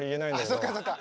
ああそっかそっか。